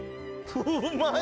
うまい！